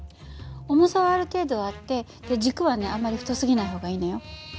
重さはある程度あって軸はねあんまり太すぎない方がいいのよ。